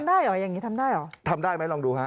ทำได้หรืออย่างนี้ทำได้หรือทำได้ไหมลองดูครับค่ะ